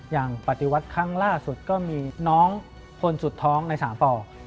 อย่างปฏิวัติครั้งล่าสุดก็มีน้องคนสุดท้องใน๓ป